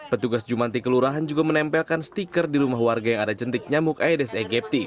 petugas jumanti kelurahan juga menempelkan stiker di rumah warga yang ada jentik nyamuk aedes egypti